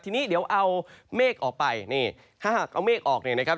ทีนี้เดี๋ยวเอาเมฆออกไปนี่ถ้าหากเอาเมฆออกเนี่ยนะครับ